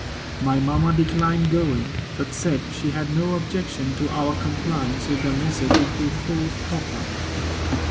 My mamma declined going, but said she had no objection to our compliance with the message if we thought proper.